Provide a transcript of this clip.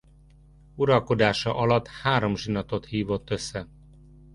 Uralkodása alatt három zsinatot hívott össze.